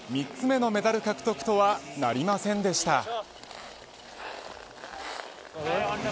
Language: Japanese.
３つ目のメダル獲得とはなりませんでした。